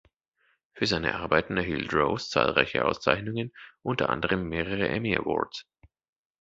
Für seine Arbeiten erhielt Rose zahlreiche Auszeichnungen, unter anderem mehrere Emmy Awards.